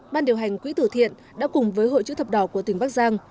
ban điều hành quỹ tử thiện đã cùng với hội chữ thập đỏ của tỉnh bắc giang